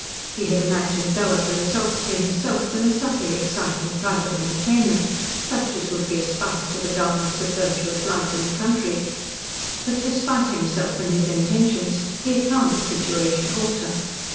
He had imagined no other results to himself than a subtly exciting private entertainment, such as would give spice to the dullness of virtuous life in the country. But, despite himself and his intentions, he had found the situation alter.